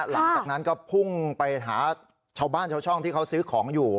หลังจากนั้นก็พุ่งไปหาชาวบ้านชาวช่องที่เขาซื้อของอยู่